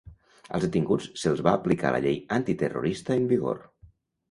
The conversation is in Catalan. Als detinguts se'ls va aplicar la llei antiterrorista en vigor.